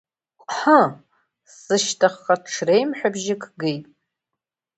Ҟҳы, сышьҭахьҟа ҽреимҳәабжьык геит.